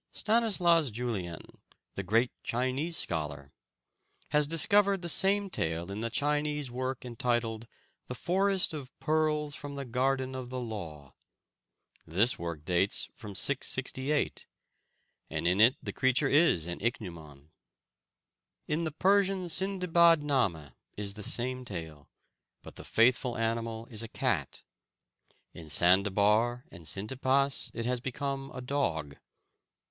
Stanislaus Julien, the great Chinese scholar, has discovered the same tale in the Chinese work entitled "The Forest of Pearls from the Garden of the Law." This work dates from 668; and in it the creature is an ichneumon. In the Persian Sindibad nâmeh is the same tale, but the faithful animal is a cat. In Sandabar and Syntipas it has become a dog.